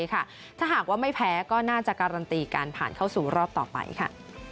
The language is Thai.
ถ้าหากว่าไม่แพ้ก็น่าจะการันตีการผ่านเข้าสู่รอบต่อไปค่ะ